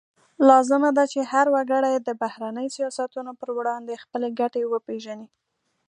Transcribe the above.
لازمه ده چې هر وګړی د بهرني سیاستونو پر وړاندې خپلې ګټې وپیژني